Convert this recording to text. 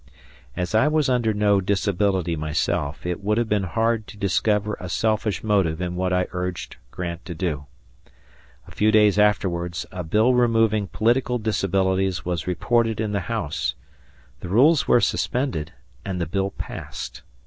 As I was under no disability myself, it would have been hard to discover a selfish motive in what I urged Grant to do. A few days afterwards, a bill removing political disabilities was reported in the House; the rules were suspended, and the bill passed.